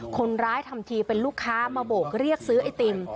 คนร้ายทำทีเป็นลูกค้ามาโบกเรียกซื้อไอติม